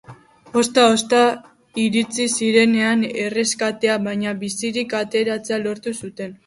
Ozta-ozta iritsi zitzaien erreskatea, baina bizirik ateratzea lortu zuten.